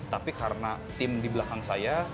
tapi karena tim di belakang saya